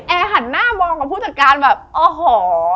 หันหน้ามองกับผู้จัดการแบบโอ้โห